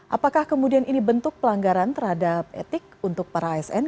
apakah kemudian ini bentuk pelanggaran terhadap etik untuk para asn